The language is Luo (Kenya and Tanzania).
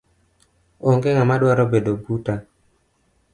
Onge ngama dwaro bedo buta